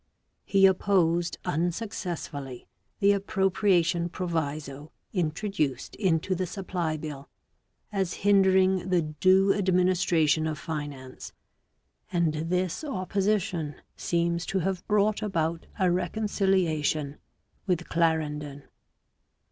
He opposed unsuccessfully the appropriation proviso introduced into the supply bill as hindering the due administration of finance, and this opposition seems to have brought about a reconciliation with Clarendon.